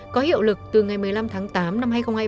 có hiệu lực từ ngày một mươi năm tháng tám năm hai nghìn hai mươi ba